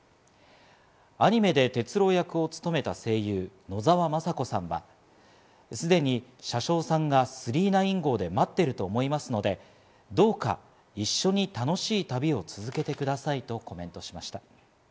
アニメで鉄郎役を務めた声優・野沢雅子さんは、すでに車掌さんが９９９号で待ってると思いますので、どうか一緒に楽しい旅を続けてくださいとコメントしました。